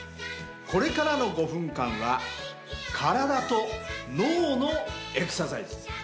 これからの５分間は体と脳のエクササイズ。